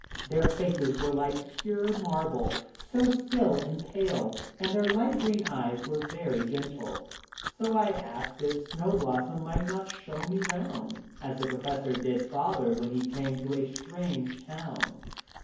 Their faces were like pure marble, so still and pale, and their light green eyes were very gentle. So I asked if Snow blossom might not show me round, as the Professors did Father when he came to a strange town.